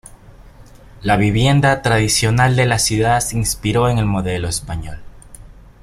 La vivienda tradicional de la ciudad se inspiró en el modelo español.